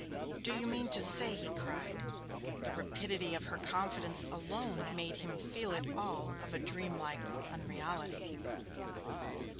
'Do you mean to say ?' he cried. The rapidity of her confidence alone made him feel it all of a dreamlike unreality.